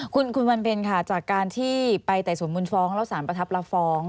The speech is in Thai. คุณวันเพ็ญค่ะจากการที่ไปไต่สวนมูลฟ้องแล้วสารประทับรับฟ้อง